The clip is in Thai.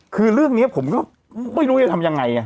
คือเรื่องนี้ผมก็ไม่รู้จะทำยังไง